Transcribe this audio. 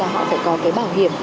họ phải có bảo hiểm